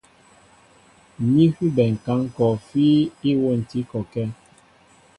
Ní hʉbɛ ŋ̀kǎŋ kɔɔfí íwôntǐ kɔkɛ́.